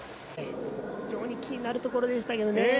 非常に気になるところでしたけどね。